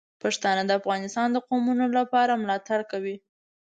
پښتانه د افغانستان د قومونو لپاره ملاتړ کوي.